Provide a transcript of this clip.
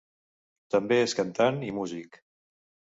També és cantant i músic.